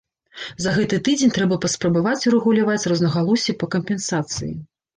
За гэты тыдзень трэба паспрабаваць урэгуляваць рознагалоссі па кампенсацыі.